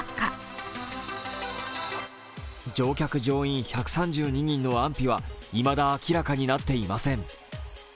乗員・乗客１３２人の安否はいまだ明らかになっていません。